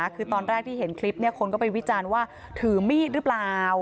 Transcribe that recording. คือตอนแรกที่เห็นคลิปคนก็ไปวิจารณ์ว่าถือมีดหรือเปล่า